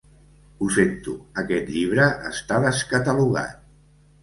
Ho sento, aquest llibre està descatalogat.